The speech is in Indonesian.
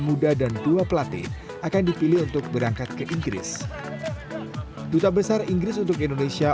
muda dan dua pelatih akan dipilih untuk berangkat ke inggris duta besar inggris untuk indonesia